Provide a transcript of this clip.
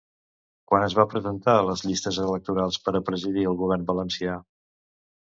Quan es va presentar a les llistes electorals per a presidir el govern valencià?